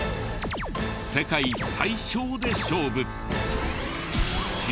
世界最小で勝負。